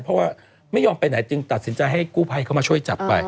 เพราะว่าไม่ยอมไปไหนจึงตัดสินใจให้กู้ภัยเข้ามาช่วยจับไป